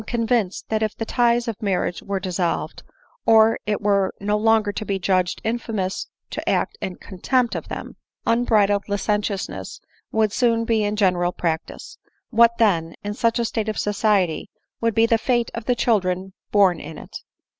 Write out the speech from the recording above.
convinced that if the ties of marriage were dissolved, of it were no longer to be judged infamous to act in contempt of them, unbriclled licentiousness would soon be in gen eral practice. What then, in such a state of society, would be the fate of the children born in it?